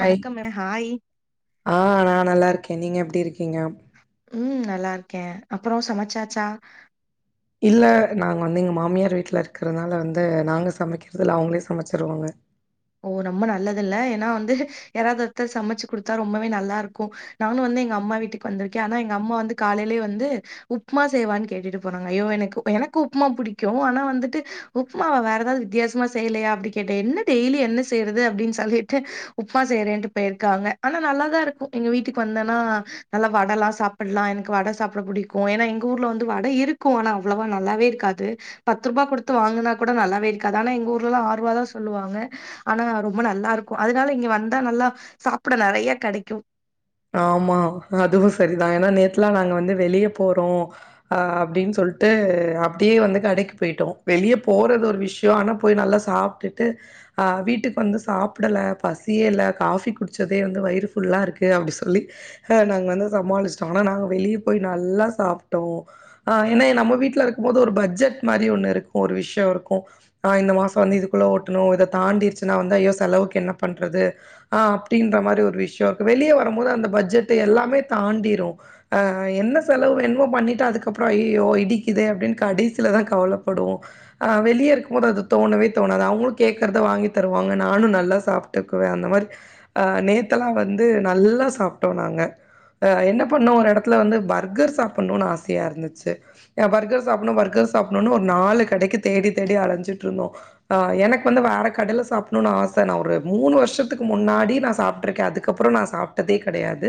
hi வணக்கம் hi ஆ நான் நல்லா இருக்கேன் நீங்க எப்படி இருக் ம் நல்லா கேன் அப்புறம் சமைச்சாச்சா இல்ல நாங்க வந்து எங்க மாமியார் வீட்டுல இருக்கிறதுனால வந்து நாங்க சமைக்கிறது இல்ல அவங்களே சமைச்சருவாங்க ஓ ரொம்ப நல்லது இல்ல ஏன்னா வந்து யாராது ஒருத்தர் சமச்சு கொடுத்தா ரொம்பவே நல்லா இருக்கும் நானும் வந்து எங்க அம்மா வீட்டுக்கு வந்திருக்கேன் ஆனா எங்க அம்மா வந்து காலையிலயே வந்து உப்புமா செய்வான்னு கேட்டுட்டு போறாங்க ஐயோ எனக்கு எனக்கு உப்புமா பிடிக்கும் ஆனா வந்துட்டு உப்புமாவ வேற ஏதாவது வித்தியாசமா செய்யலயா அப்படினு கேட்டேன் என்ன டெய்லி என்ன செய்யறது அப்டின்னு சொல்லிட்டு உப்புமா செய்யறேன்ட்டு போயிருக்காங்க ஆனா நல்லாதான் இருக்கும் எங்க வீட்டுக்கு வந்தன்னா நல்லா வட எல்லாம் சாப்பிடலாம் எனக்கு வட சாப்பிட பிடிக்கும் ஏன்னா எங்க ஊர்ல வந்து வட இருக்கும் ஆனா அவ்வளவா நல்லாவே இருக்காது பத்து ரூபாயா கொடுத்து வாங்குனா கூட நல்லாவே இருக்காது ஆனா எங்க ஊர்லாம் ஆறு ரூப தான் சொல்லுவாங்க ஆனா ரொம்ப நல்லா இருக்கும் அதனால இங்க வந்தா நல்லா சாப்பிட நெறைய கெடைக்கும் ஆமா அதுவும் சரிதான் ஏன்னா நேத்துலாம் நாங்க வந்து வெளிய போறோம் அ அப்டின்னு சொல்லிட்டு அப்டியே வந்து கடக்கு போயிட்டோம் வெளியே போறது ஒரு விஷயம் ஆனா போய் நல்லா சாப்பிட்டுட்டு ஆ வீட்டுக்கு வந்து சாப்பிடல பசியே இல்ல காபி குடிச்சதே வந்து வயிறுஃபுல்லா இருக்கு [inaudible] சொல்லி நாங்க வந்து சமாளிச்சுட்டேன் ஆனா நாங்க வெளியே போய் நல்லா சாப்பட்டோம் ஹ ஏன நம்ம வீட்டுல இருக்கும் போது ஒரு பட்ஜெட் மாரி ஒண்ணு இருக்கும் ஒரு விஷயம் இருக்கும் ஹ் இந்த மாசம் வந்து இதுக்குள்ள ஓட்டணும் இத தாண்டிருச்சுன்னா வந்து ஐயோ செலவுக்கு என்ன பண்றது ஆ அப்டின்ற மாரி ஒரு விஷயம் வெளியே வரும் போது அந்த பட்ஜெட் எல்லாமே தாண்டிரும்ஆ என்ன செலவு என்னமோ பண்ணிட்டு அதுக்கறம் ஐயையோ இடிக்குத்தே அப்டின்னு கடைசியில தான் கவலைப்படுவோம்ஹ் வெளியே இருக்கும் போது அது தோணவே தோணது அவங்களும் கேக்குறத வாங்கி தருவாங்க நானும் நல்லா சாப்பிட்டுக்குவேன் அந்த மாரிஆ நேத்து எல்லாம் வந்து நல்லா சாப்பட்டோம் நங்க என்ன பண்ணோ ஒரு இடத்துல வந்து பர்கர் சாப்புனோணும் ஆசையா இருந்துச்சு பர்கர் சாப்புனோணு பர்கர் சாப்புனோணு நாலு கடைக்கு தேடி தேடி அலைஞ்சட்டு இருந்தோம் எனக்கு வந்து வேற கடல சாம் மூ வருஷத்துக்கு முன்னாடி நான் சாப்டுருக்கேன் அதுக்கு அதுக்கப்புறம் நான சாப்பட்டதே கெடையாது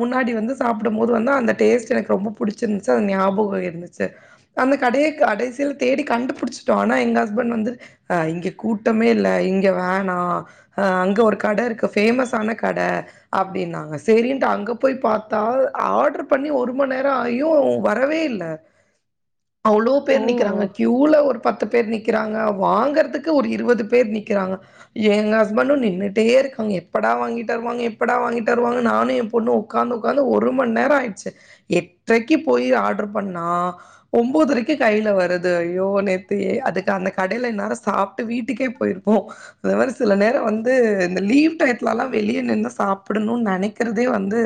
முன்னாடி வந்து சாப்பட போது வந்து அந்த டேஸ்ட் எனக்கு ரொம்ப புடிச்சி இருந்துச்சு அது ஞாபகம் இருந்துச்சு அந்த கடய கடைசியில தேடி கண்டுபிடிச்சிட்டோம் ஆன எங்க ஹஸ்பெண்ட் வந்து இங்க கூட்டமே இல்ல இங்க வேணா அங்க ஒரு கட இருக்கு பேமஸான கட அப்டின்னாங்க சரின்ட்டு அங்க போய் பாத்தா ஆர்டர் பண்ணி ஒரு மணி நேரம் ஆயும் வரவே இல்லை அவ்ளோ ஓ பேர் நிக்கிறாங்க கியூல ஒரு பத்து பேர் நீக்கிறாங்க வாங்கறதுக்கு ஒரு இருபது பேர் நிக்கிறாங்க எங்க ஹஸ்பண்ட நின்ட்டே இருக்காங்க எப்படா வாங்கிட்டு எப்படா வாங்கிதருவாங்க எப்படா வாங்கிதருவாங்க நானும் என் பொண்ணு உக்காந்து உக்காந்து ஒரு மணி நேரம் ஆயிடுச்சு எட்டரைக்கு போய் ஆர்டர் பண்ணா ஒம்போத்தறைக்கு கைல வருது ஐயோ நெத்தி அதுக்கு அந்த கடல இன்னேரம் சாப்பிட்டு வீட்டுகே போயிருப்போம் அத வேற சில நேரம் வந்து இந்த லீவ் டையாதுலலாம் வெளிய நின்னு சாப்பிடணும்னு நினைக்கிறதே வந்து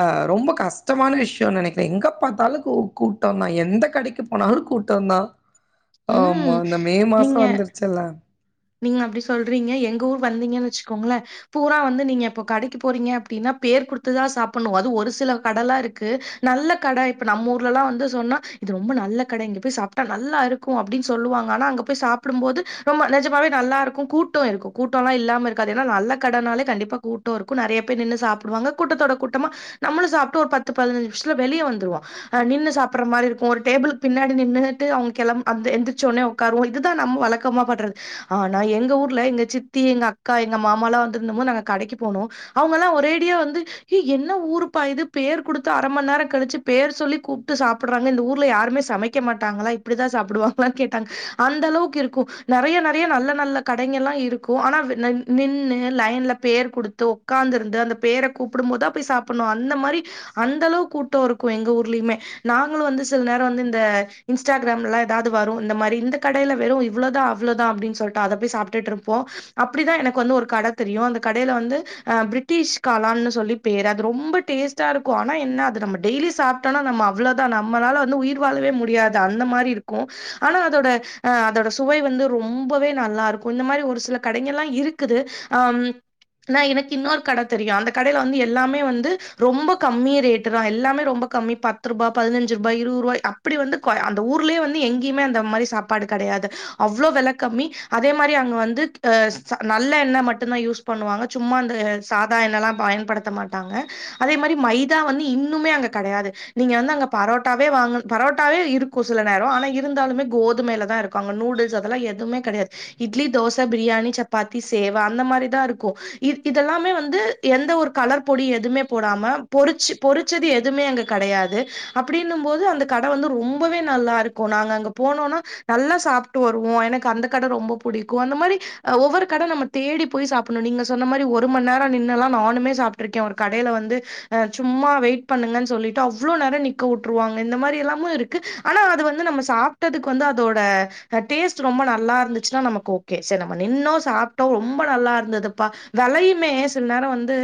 அ ரொம்ப கஷ்டமான விஷயம்னு நினைக்கிறேன் எங்க பாத்தாலும் கூட்டம்தான் எந்த கடைக்கு போனாலும் கூட்டம் தான் ஆமா ம் அந்த மே நீங்க மாசம் வந்துருச்சுல்ல நீங்க அப்டி சொல்றீங்க எங்க ஊர் வந்தீங்கன்னு வச்சுக்கோங்களேன் பூரா வந்து நீங்க இப்ப கடைக்கு போறீங்க அப்படின்னா பேர் குடுத்துதான்தா சாப்பிடணும் அது ஒரு சில கட எல்லா இருக்கு நல்ல கட இப்ப நம்ம ஊர்ல எல்லாம் வந்து சொன்னா இது ரொம்ப நல்ல கட இங்க போய் சாப்பட்டா நல்லா இருக்கும் அப்டின்னு சொல்லுவாங்க ஆனா அங்க போய் சாப்படும் போது ரொம்ப நெ நல்லா இருக்கும் கூட்டம் இருக்கும் கூட்டம் எல்லாம் இல்லாம இருக்காது ஏன்னா நல்ல கடனாலே கண்டிப்பா கூட்டம் இருக்கும் நெறைய பேர் நின்னு சாப்பிடுவாங்க கூட்டத்தோட கூட்டமா நம்மளும் சாப்பிட்டு ஒரு பத்து பதினஞ்சு நிஷத்துல வெளிய வந்துவம் நின்னு சாப்படுற மாரி இருக்கும் ஒரு டேபில்கு பின்டி நின்னுட்டு அவங்க கிளம்ப எந்திரச்சுடனே உட்கருவோம் இதுதான் நம்ம வழக்கமா படறது ஆனா எங்க ஊர்ல எங்க சித்தி எங்க அக்கா எங்க மாமா எல்லாம் வந்திருந்தமோ நாங்க கடைக்கு போனோம் அவங்க எல்லாம் ஒரேடியா வந்து ஹ என்ன ஊரு பா பேர் கொடுத்து அரை மணி நேரம் கழிச்சி பேர் சொல்லி கூப்பிட்டு சாப்பிடுறாங்க இந்த ஊர்ல யாருமே சமைக்க மாட்டாங்களா இப்டிதான் சாப்பிடுவாங்களான்னு கேட்டாங்க அந்த அளவுக்கு இருக்கும் நேறைய நறிய நல்ல நல்ல கடகலாம் இருக்கும் ஆனா நின்னு லைன்ல பேர் கொடுத்து உக்கார்ந்துந்து அந்த பேரை கூப்பிடும் போதான் போய் சப்புனும் அந்த மாரி அந்த அளவு கூட்டம் இருக்கும் எங்க ஊர்லுமே நாங்களும் வந்து சில நேரம் வந்து இந்த இன்ஸ்டாகிரமலா ஏதாவது வரும் இந்த மாரி இந்த கடல வெறும் இவ்ளோதான் அவ்ளோதான் தான் அப்டினு சொல்லிட்டு அதபோய் சாப்பிட்டுட்டு இருபோம் அப்படித்தான் எனக்கு வந்து ஒரு கடை தெரியும் அந்த கடையில வந்து பிரிட்டிஷ் காலான்னு சொல்லி பேரு அது ரொம்பா டேஸ்ட்ட இருக்கும் ஆனா என்ன அத நம்ப சாப்பிட்டோம்னா அவளவுதான் நம்மளால வந்து உயிர் வாழவே முடியாது அந்த மாதிரி இருக்கும் ஆனா அதோட ஹீ அதோட சுவை வந்து ரொம்பவே நல்லா இருக்கும் இந்த மாரி ஒரு சில கடங்கலாம் இருக்குது ஆ எனக்கு இன்னொரு கட தெரியும் அந்த கடயில வந்து எல்லாமே வந்து ரொம்ப கம்மியே ரேட்த எல்லாமே ரொம்ப கம்மி பத்து ரூபாய் பதினஞ்சு ரூபாய் இருபது ரூபாய் அப்டி வந்து அந்த ஊர்லயே வந்து எங்கேயுமே அந்த மாரி சாப்பாடு கெடையாது அவ்ளவு வில கமி அதே மாரி அங்கவந்து ஹா நல்லெண்ண மட்டும்தான் யூஸ் பண்ணுவாங்க சும்ம அந்த சாதா எண்ணலாம் பயன்படுத்த மாட்டாங்க அதே மாரி மைதா வந்து இன்னுமே அங்க கெடையாது நீங்க வந்து அங்க பரோட்டாவே வாங்கு பரோட்டாவே இருக்கும் சில நேரம் ஆனா இருந்தாலுமே கோதுமைல தான் இருக்கும் அங்க நூடுல்ஸ் அதெல்லாம் எ எதுவுமே கிடையாது இட்லி தோசை பிரியாணி சப்பாத்தி சேர்வா அந்த மாரி தான் இருக்கும் இதெல்லாமே வந்து எந்த ஒரு கலர் பொடி எதுவுமே போடாம பொறிச்சி பொறிச்சது எதுவுமே அங்க கெடையாது அப்டின்னும் போது அந்த கடை வந்து ரொம்பவே நல்லா இருக்கும் நாங்க அங்க போனோம்னா நல்லா சாப்பட்டு வருவோம் எனக்கு ன்கு அந்த கட ரொம்பபுடிக்கும் அந்த மாரி ஒவ்வொரு கட நம்ப தேடி போய் சாப்புனும் நீங்க சொன்ன மாரி ஒரு மணி நேரம் நின்னெல்லாம் நானுமே சாப்பிட்டு இருக்கேன் கடயில வந்து சும்மா வெயிட் பண்ணுங்கன்னு சொல்லிட்டு அவளோ நேரம் நிக்கவுட்டுருவாங்க இந்த மாரி எல்லாம் இருக்கு ஆனா அது வந்து நம்ம சாப்பிட்டதுக்கு வந்து அதோட டேஸ்ட் ரொம்ப நல்லா இருந்துச்சுன்னா நமக்கு ஓகே சரி நம்ம நின்னும் சாப்பட்டோம் ரொம்ப நல்லா இருந்ததுப்பா விலையுமே சில நேரம் வந்து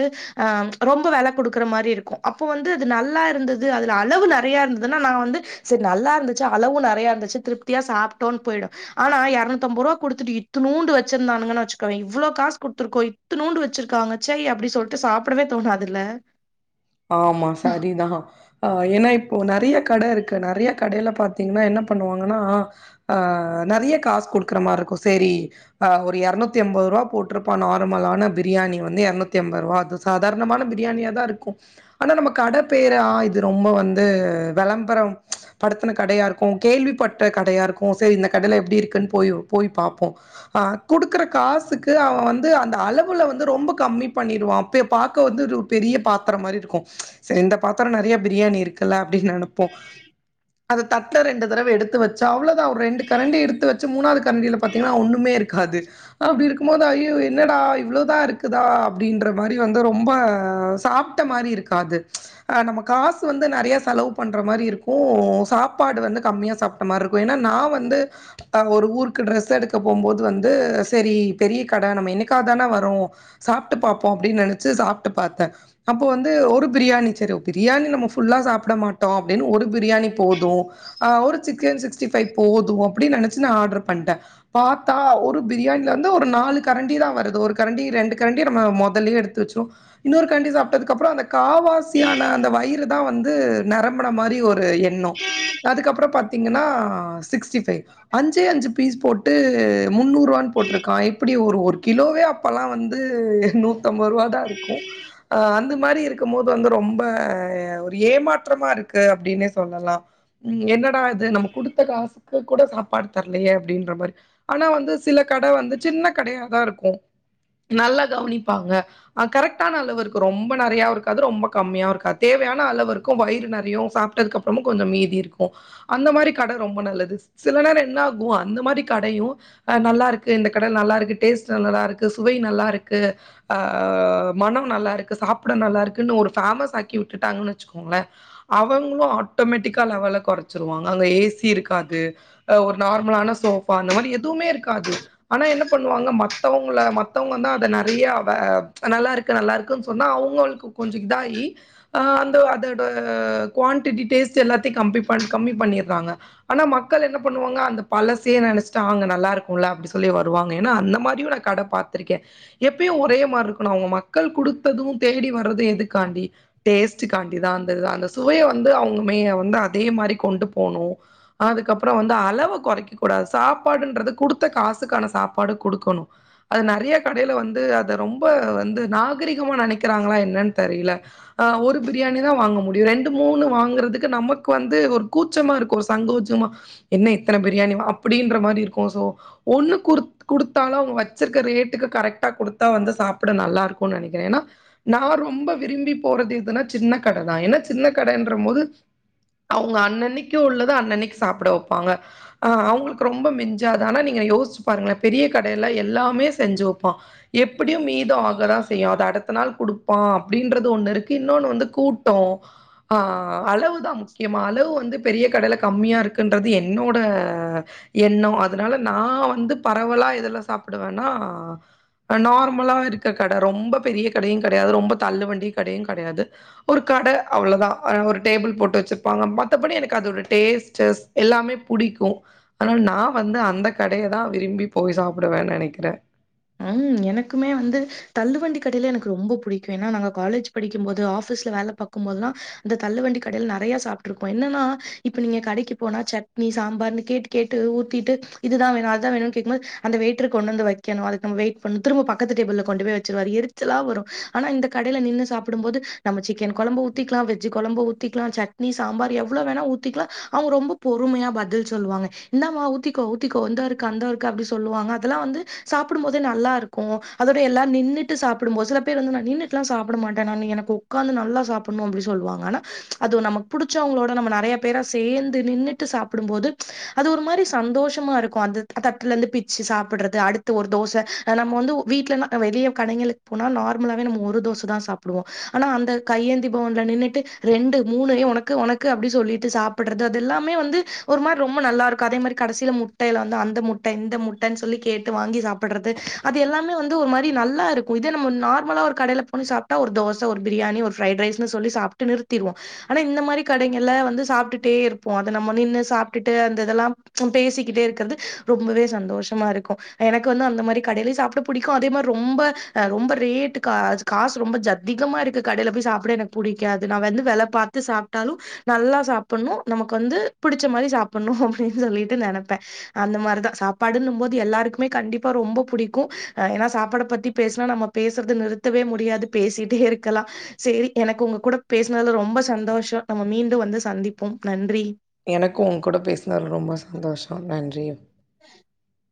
அ ரொம்ப வில கொடுக்குற மாரி இருக்கும் அப்ப வந்து அது நல்லா இருந்தது அதுல அளவு நெறைய இருந்ததுன்னா நான வந்து செரி நல்லா இருந்துச்சு அளவும் நெறையா இருந்துச்சு திருப்தியா சாப்பிட்டோம்ன்னனு போயிடும் ஆனா இரநூத்தின்ம்பது ரூபா குடுத்துட்டு இத்தநூண்டு வச்சிருந்தானுங்கன்ன வச்சுக்கோவேன் இவ்வளோ காசுடுத்துிருக்கோ இத்துநூ வச்சிருக்காங்க சை அப்டி சொல்லிட்டு சாப்படவே தோணாதுல ஆமா சரிதான் ஆ ஏன்னா இப்போ நெறைய கட இருக்கு நிறைய கடையில பாத்தீங்கன்னா என்ன பண்ணுவாங்கன்னா ஆஹ் நிறைய காசு கொடுக்குற மாதிரி இருக்கும் சரிஹ் ஒரு இரநூத்தி ஐம்பது ரூபா போட்டிருப்பா நார்மலான பிரியாணி வந்து இரநூத்தி ஐம்பது ரூபா அது சாதாரணமான பிரியாணியா தான் இருக்கும் ஆனா நம்ம கடப்பேரா இது ரொம்ப வந்து விளம்பரம் படுத்தின கடயா இருக்கும் கேள்விப்பட்டற்ற கடயா இருக்கும் சரி இந்த கடயில எப்டி இருக்குன்னு போய் போய் பார்ப்போம் ஆஹ் குடுக்குற காசுக்கு அவன் வந்து அந்த அளவுல வந்து ரொம்ப கம்மி பண்ணிருவான் அப்ப பார்க வந்து பெரிய பா மாரி இருக்கும் இந்த பாத்திரம் நெறைய பிரியாணி இருக்குல்ல அப்டின்னு நினைப்போம் அதை தட்ல ரெண்டு தடவ எடுத்து வச்சா அவ்வள வுதான் ஒரு ரெண்டு கரண்டி எடுத்து வச் மூணாவது கரண்டியில பாத்திங்களா ஒண்ணுமே இருக்காது அப்டி இருக்கும்போது ஐயோ என்னடா இவ்வளவுதான் இருக்குதா அப்டிங்கற மாரி ரொம்ப சாப்ப சாப்பிட்ட மாரி இருக்காது அ நம்ம காசு வந்து நெறைய செலவு பண்ற மாரி இருக்கும் சாப்பாடு வந்து கம்மியா சாப்பட்ட மாரி இருக்கும் ஏன்னா நான் வந்து அ ஒரு ஊருக்கு ட்ரெஸ் எடுக்க போகும்போது வந்து சரி பெரிய கட நம்ம என்னைக்கா தானேவறோம் சாப்பிட்டு பாபப்போம் அப்டின்னு நினைச்சு சாப்பிட்டு பார்த்தேன் அப்போ வந்து ஒரு பிரியாணி சரி பிரியாணி நம்ம ஃபுல்லா சாப்ட மாட்டோம் அப்டின்னு ஒரு பிரியாணி போதும் ஆ ஒரு சிக்கன் சிக்ஸ்டி ஃபைவ் போதும் அப்டின்னு நினைச்சு நான் ஆர்டர் பண்ணிட்டேன் பாத்தா ஒரு பிரியாணில வந்து ஒரு நாலு கரண்டி தான் வருது ஒரு கரண்டி ரெண்டு கரண்டி நம்ம முதலயே எடுத்து வச்சோம் இன்னொரு கரண்டி சாப் அதுக்கப்றோ அந்த காவாசியான அந்த வயிறு தான் வந்து வந்து நிரம்பன மாரி ஒரு எண்ணோ அதுக்கப்புறம் பாத் பாத்திங்கன்னா சிக்ஸ்டி ஃபைவ் அஞ்சே அஞ்சு பீஸ் போட்டு முன்னூறுவான்னு போட்ருக்கான் எப்புடி ஒரு ஒரு கிலோவே அப்பலாம் வந்து நூத்தம்பது ரூவா தான் இருக்கும் ஆ அந்த மாரி இருக்கும் போது வந்து ரொம்ப ஒரு ஏமாற்றமா இருக்கு அப்டினே சொல்லலாம் ம் என்ன இப்ப அது நம்ம குடுத்த காசு இப்போ கூட சாப்பாடு தரலயே அப்டின்ற மாரி ஆனா வந்து சில கட வந்து சின்ன கடையா தா இருக்கும் நல்லா கவனிப்பாங்க ஆ கரெக்டான அளவருக்கு ரொம்ப நெறையாவு இருக்காது ரொம்ப கம்மியாவு இருக்காது தேவையான அளவுருக்கும் வயிறு நெறையு சாப்பிட்டதுக்கப்றோமும் கொஞ்சம் மீதி இருக்கும் அந்த மாரி கட ரொம்ப நல்லது சில நேரம் என்ன ஆகும் அந்த மாரி கடயும் அ நல்லா இருக்கு இந்த கட நல்லா இருக்கு டேஸ்ட் நல்லாருக்கு சுவை நல்லா இருக்கு ஆஹ மனம் நல்லா இருக் சாப்புட நல்லா இருக்குன்னு ஒருஃபேமஸ் ஆக்கி விட்டுட்டாங்கன்னு வச்சுக்கோங்களேன் அவங்களும் ஆட்டோமேட்டிக்கா லெவல குறைச்சிருவாங்க அங்க ஏசி இருக்காது ஒரு நார்மலான சோஃபா அந்த மாதிரி எதுவுமே இருக்காது ஆனா என்ன பண்ணுவாங்க மத்தவங்கள மத்தவங்க தான் அத ந நெறையாவ நல்லா இருக்கு நல்லா இருக்கு சொன்னா அவுங் உங்களுக்கு கொஞ்சோ இதாயி ஆ அந்த அதோட குவான்டிட்டி டேஸ்ட் எல்லாத்தையும் கம்மி பண் கம்மி பண்ணிடுறாங்க ஆனா மக்கள் என்ன பண்ணுவாங்க அந்த பழசயே நினைச்சிட்டு அங்க நல்லா இருக்கும்ல அப்டி சொல்லி வருவாங்க ஏன்னா அந்த மாரியும் நான் கடய பாத்திருக்கேன் எப்பயும் ஒரே மாரி இருக்கணும் அவங்க மக்கள் குடு விப்பதும் தேடி வர்றது எதுக்காண்டி டேஸ்ட்காண்டி தான் அந்த அந்த சுவைய வந்து அவங்கமே வந்து அதே மாரி கொண்டு போணும் அதுக்கப்புறோம் வந்து அளவ கொறைக்கக்க கூடாது சாப்பாடுன்றது குடுத்த காசுக்கான சாப்பாடு கொடுக்கணு அது நெறைய கடையில வந்து அத ரொம்ப வந்து நாகரிகத்த இருக்கனுமா நெனைக்கிறாங்களா என்னன்னு தெரியல ஆ ஒரு பிரியாணி தான் வாங்க முடியும் ரெண்டு மூணு வாங்குறதுக்கு நமக்கு வந்து ஒரு கூச்சமா இருக்கும் சங்கோஜமா என்ன இத்தன பிரியாணி அப்டின்ற மாரி இருக்கும் சோ ஒண்ணு கு குடுத்தாலும் அவங்க வச்சிருக்கற ரேட்டுக்கு கரெக்டா கொடுத்தா வந்து சாப்புட நல்லா இருக்கும் நெனைக்கிறேன் நான் ரொம்ப விரும்பி போறது எதுன்னா சின்ன கடைதான் ஏன்னா சின்ன கடன்ற போது அவங்க அன்னனைக்கு உள்ளத அன்னன்னைக்கு சாப்புட வைப்பாங்க ஆ அவங்களுக்கு ரொம்ப மிஞ்சாதானா நீங்க யோசிச்சு பாருங்களே பெரிய கடையெல்லாம் எல்லாமே செஞ்சு வைப்பான் எப்புடியும் மீதம் ஆகதான் தெரியும் அத அடுத்த நாள் கொடுப்பான் அப்டின்றது ஒண்ணு இருக்கு இன்னொன்னு வந்து கூட்டம் ஆஹா அளவு தான் முக்கியமா அளவு வந்து பெரிய கடையில கம்மியா இருக்குன்றது என்னோட எண்ணம் அதனால நான் வந்து பரவலா எதுல சாப்புடுவேன்னா நார்மலா இருக்க கட ரொம்ப பெரிய கடையும் கிடையாது ரொம்ப தள்ளு வண்டி கடயும் கிடையாது ஒரு கட அவ்வளவுதான் ஒரு டேபிள் போட்டு வச்சிருப்பாங்க மத்தபடி எனக்கு அதோட டேஸ்ட் செஸ் எல்லாமே புடிக்கும் க்கும் ஆனா நான் வந்து அந்த அந்த கடைய தான் விரும்பி போய் சாப் சாப்புடுவேன் நெனைக்கிறேன் ஹம் எனக்குமே வந்து தள்ளு வண்டி கடையில எனக்கு ரொம்ப புடிக்கும் ஏன்னா நாங்க காலேஜ் படிக்கும் போது ஆஃபீஸ்ல வேலை பாக்கும்போதுலா இந்த தள்ளு வண்டி கடையில நெறைய சாப்பிட்டுருப்போம் என்னன்னா இப்ப நீங்க கடைக்கு போனா சட்னி சாம்பார்ன்னு கேட்டு கேட்டு ஊத்திட்டு இதுதான் வேணும் அதுதான் வேணும்னு கேக்கும்போது அந்த வெயிட்ரு கொண்டு வந்து வக்கணும் அது நம்ம வெயிட் பண்ணி திரும்பவும் பக்கத்து டேபிள் கொண்டு பயி வச்சிருவாரு எரிச்சலா வரும் ஆனா இந்த கடையில நின்று சாப்புடும் போது நம்ம சிக்கன் குழம்பு ஊத்திக்கலாம் வெஜ்ஜ் குழம்பு ஊத்திக்கலாம் சட்னி சாம்பார் எவ்வளோ வேணா ஊத்திக்கலாம் அவங்க ரொம்ப பொறுமையா பதில் சொல்லுவாங்க இந்தமா ஊத்திக்கோ ஊித்திக்கோ இந்தாருக்கு அந்தாருக்கு அப்டி சொல்லுவாங்க அதெல்லாம் வந்து சாப்புடும் போதே நல்லா இருக்கும் அதோட எல்லாம் நின்னுட்டு சாப்புடும்போது சில பேர் வந்து நான் நின்றனுட்டுலாம் சாப்பிட மாட்டேன் நான் எனக்கு உக்காந்து நல்லா சாப்புடணும் அப்புடினு சொல்லுவாங்க ஆனா அது ச் நமக்கு புடிச்சவங்களோட நாம நெறைய பேரா சேந்து நின்னுட்டு சாப்பிடும்போது ச் அது ஒரு மாரி சந்தோஷமா இருக்கும் அந்த தட்டுல இருந்து பிச்சு சாப்பிடுறது அ ஒரு தோச அ நம்ம வந்து வீட்டுலா வெளிய கடங்களுக்கு போனா நார்மலாவே நம்ம ஒரு தோசை தான் சாப்பிடுவோம் ஆனா அந்த கையேந்தி பவன்ல நின்னுட்டு ரெண்டு மூணு எ உனக்கு உனக்கு அப்டி சொல்லிட்டு சாப்பிடுறது அது எல்லாமே வந்து ஒரு மாரி ரொம்ப நல்லா இருக்கும் அதே மாரி கடைசியில முட்டயில வந்து அந்த முட்ட இந்த முட்டன்னு சொல்லி கேட்டு வாங்கி சாப்புட்றது அது எல்லாமே வந்து ஒரு மாரி நல்லா இருக்கும் இதே நம்ம நார்மலா ஒரு கடைய போய் சாப்ட்டா ஒரு தோசை ஒரு பிரியாணி ஒரு பிரரைட்ரைஸ்ன்னு சொல்லி சாப்பிட்டு நிறுத்திவோம் ஆனா இந்த மாரி கடைகள் வந்து சாப்பிட்டுட்டே இருப்போம் அதை நம்ம நின்னு சாப்ட்டுட்டு அந்த இதெல்லாம் பேசிக்கிட்டே இருக்கிறது ரொம்பவே சந்தோஷமா இருக்கும் எனக்கு வந்து அந்த மாரி கடையிலையும் சாப்பிட பிடிக்கும் அதே மாதிரி ரொம்ப ரொம்ப ரேட்ட கா காசு ரொம்ப ஜா அதிகமா இருக்கு கடையில போய் சாப்பிட எனக்கு புடிக்காது நான் வந்து வெல பார்த்து சாப்பிட்டாலும் நல்லா சாப்புண்ணும் நமக்கு வந்து பிடிச்ச மாரி சாப்புண்ணும் அப்டின்னு சொல்லிட்டு நெனைப்பேன் அந்த மாதிரிதான் சாப்புன்னும் போது எல்லாருக்கும் எப்பவுமே கண்டிப்பா ரொம்ப பிடிக்கும் ஹ ஏன்னா சாப்பாட பத்தி பேசனா நம்ம பேசுறது நிறுத்தவே முடியாது பேசிட்டே இருக்கலாம் சரி எனக்கு உங்க கூட பேசினதுல ரொம்ப சந்தோஷம் நம்ம மீண்டும் வந்து சந்திப்போம் நன்றி எனக்கும் உங்க கூட பேசினது ரொம்ப சந்தோஷம் நன்றி [inaudible]